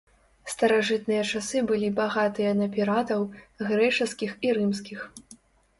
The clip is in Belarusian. Старажытныя часы былі багатыя на піратаў, грэчаскіх і рымскіх.